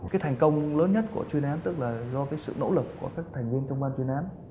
cái thành công lớn nhất của chuyên án tức là do cái sự nỗ lực của các thành viên trong ban chuyên án